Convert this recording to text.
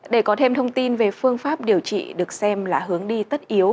để có thêm thông tin về phương pháp điều trị được xem là hướng đi tất yếu